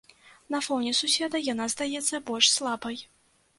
На фоне суседа яна здаецца больш слабай.